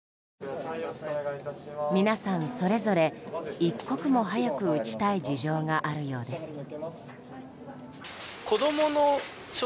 皆さん、それぞれ一刻も早く打ちたい事情があるようです。